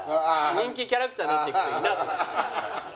人気キャラクターになっていくといいなと思います。